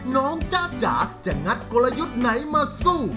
จ๊ะจ๋าจะงัดกลยุทธ์ไหนมาสู้